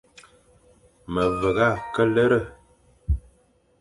Me vagha ke lere.